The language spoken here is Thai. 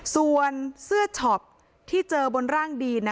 ส่วนเสื้อช็อปที่เจอบนร่างดีน